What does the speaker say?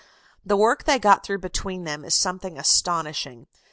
The work they got through between them is something astonishing.